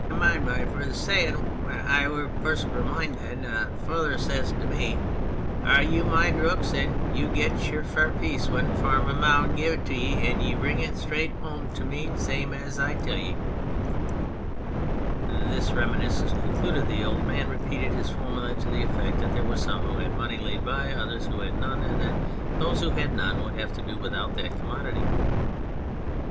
" I mind my feythur saaying when I wor furst r'k moinding, feythur says to me,, ' Ar, you moind rooks and you get your farp'nce when Farmer Mouwen give it 'ee, and you bring it straaght whome t' me, zame as I tell ee.' " This reminiscence concluded, the old man repeated his formula to the effect that there were some who had money laid by, others who had none, and that those who had none would have to do without that commodity.